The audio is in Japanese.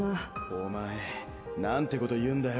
お前なんてこと言うんだよ。